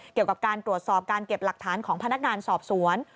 เกี่ยวกับการตรวจสอบการเก็บหลักฐานของพนักงานสอบสวน